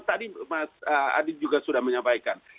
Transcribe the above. tadi mas adi juga sudah menyampaikan